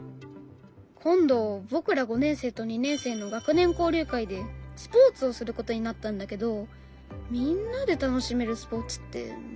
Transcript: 今度僕ら５年生と２年生の学年交流会でスポーツをすることになったんだけどみんなで楽しめるスポーツって難しいなって。